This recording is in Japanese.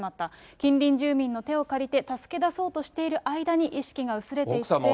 近隣住民の手を借りて助け出そうとしている間に意識が薄れていっ奥様